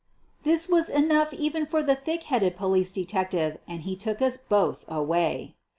'■ f That was enough even for the thick headed police detective, and he took us both away.